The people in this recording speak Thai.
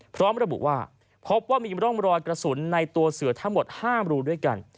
พร้อมระบุว่าพบว่ามีร่องรอยกระสุนในตัวเสือทั้งหมด๕รูด้วยกัน